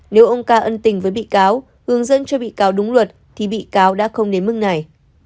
nếu ông ca ân tình với bị cáo hướng dẫn cho bị cáo đúng luật thì bị cáo đã không đến mức này